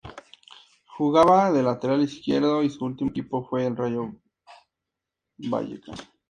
Jugaba de lateral izquierdo y su último equipo fue el Rayo Vallecano.